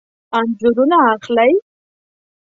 انځورونه اخلئ؟